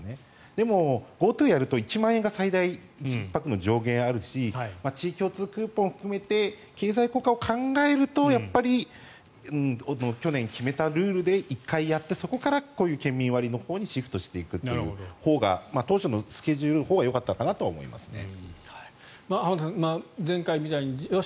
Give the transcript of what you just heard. でも、ＧｏＴｏをやると１万円が最大の上限があるし地域共通クーポンを含めて経済効果を考えると去年決めたルールで１回やってそこから県民割のほうにシフトしていくというほうが当初のスケジュールのほうがよかったかなと思いますね。